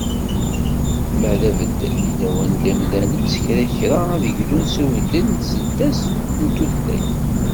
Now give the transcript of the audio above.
Ma d abeddel yella wanda imdanen, s kra kra ad glun s ubeddel n tseddast n tutlayt.